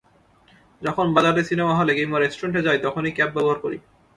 যখন বাজারে, সিনেমা হলে কিংবা রেস্টুরেন্টে যাই, তখনই ক্যাপ ব্যবহার করি।